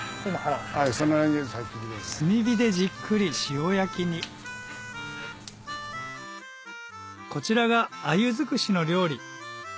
炭火でじっくり塩焼きにこちらがアユ尽くしの料理